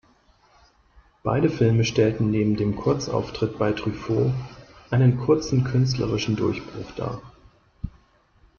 Beide Filme stellten neben dem Kurzauftritt bei Truffaut einen kurzen künstlerischen Durchbruch dar.